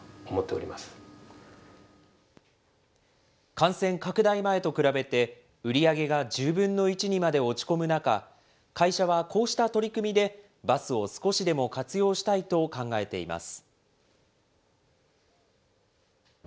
感染拡大前と比べて、売り上げが１０分の１にまで落ち込む中、会社はこうした取り組みで、バスを少しでも活用したいと考えています。